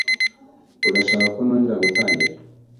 Urashaka ko nongera gutangira?